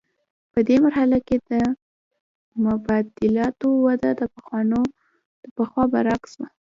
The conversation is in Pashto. په دې مرحله کې د مبادلاتو وده د پخوا برعکس وه